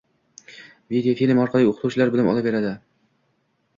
videofilm orqali o‘quvchilar bilim olib boraveradi.